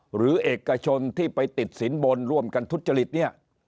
หรือเอกชนที่ไปติดสินบนร่วมกันทุจริตเนี่ย